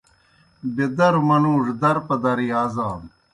بیدروْ منُوڙوْ درپدر یازانوْ۔